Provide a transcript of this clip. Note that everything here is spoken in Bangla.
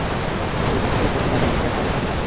কিন্তু কখনো প্রতিদানে ব্যাপারে ভাবিনি।